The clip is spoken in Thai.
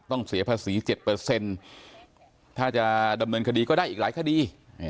เสียภาษี๗ถ้าจะดำเนินคดีก็ได้อีกหลายคดี